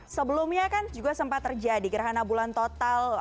sebelumnya kan juga sempat terjadi gerhana bulan total